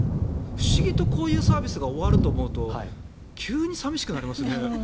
不思議とこういうサービスが終わると思うと急に寂しくなりますね。